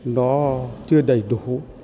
nó chưa đầy đủ